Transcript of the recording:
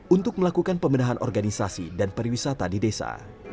untuk melakukan pemenahan organisasi dan pariwisata di desa